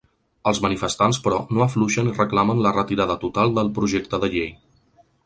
Els manifestants, però, no afluixen i reclamen la retirada total del projecte de llei.